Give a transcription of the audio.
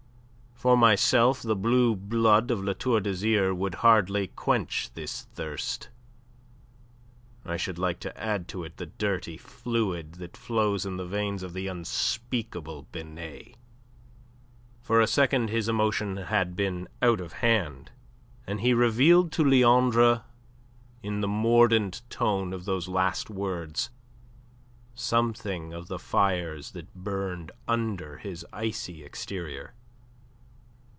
For myself, the blue blood of La Tour d'Azyr would hardly quench this thirst. I should like to add to it the dirty fluid that flows in the veins of the unspeakable Binet." For a second his emotion had been out of hand, and he revealed to Leandre in the mordant tone of those last words something of the fires that burned under his icy exterior.